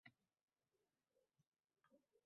— Mana buni uchishni nazorat qilish desa bo‘ladi!